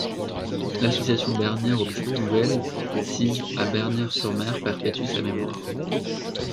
L'Association Bernières optique nouvelle, sise à Bernières-sur-Mer, perpétue sa mémoire.